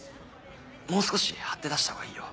もう少し張って出した方がいいよ。